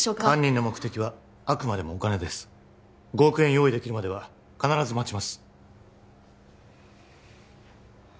犯人の目的はあくまでもお金です５億円用意できるまでは必ず待ちます